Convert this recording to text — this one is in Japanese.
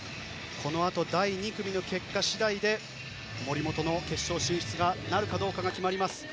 このあと第２組の結果次第で森本の決勝進出なるかどうか決まります。